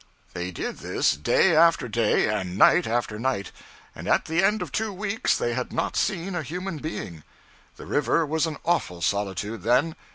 They did this day after day and night after night; and at the end of two weeks they had not seen a human being. The river was an awful solitude, then.